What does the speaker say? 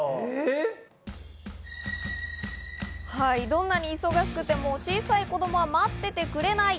どんなに忙しくても小さい子供は待っていてくれない。